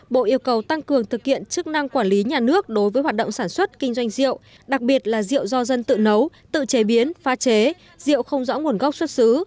bộ yêu cầu tăng cường thực hiện chức năng quản lý nhà nước đối với hoạt động sản xuất kinh doanh rượu đặc biệt là rượu do dân tự nấu tự chế biến pha chế rượu không rõ nguồn gốc xuất xứ